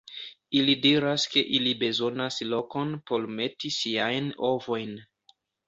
Ili diras ke ili bezonas lokon por meti siajn ovojn.